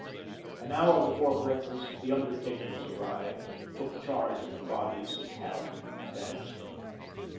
An hour before breakfast, the undertakers arrived and took charge of the bodies of Harran and Annixter.